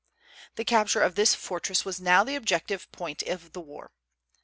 The capture of this fortress was now the objective point of the war.